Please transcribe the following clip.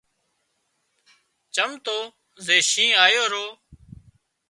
چم تو زي شينهن آيو رو